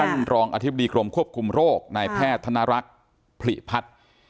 รองอธิบดีกรมควบคุมโรคนายแพทย์ธนรักษ์ผลิพัฒน์